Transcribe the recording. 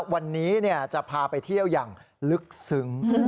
วันนี้จะพาไปเที่ยวอย่างลึกซึ้ง